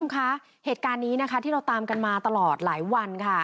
คุณผู้ชมคะเหตุการณ์นี้นะคะที่เราตามกันมาตลอดหลายวันค่ะ